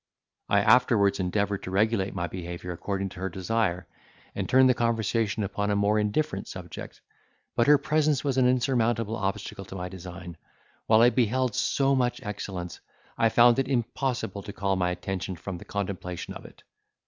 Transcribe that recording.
I afterwards endeavoured to regulate my behaviour according to her desire, and turn the conversation upon a more indifferent subject; but her presence was an insurmountable obstacle to my design; while I beheld so much excellence, I found it impossible to call my attention from the contemplation of it!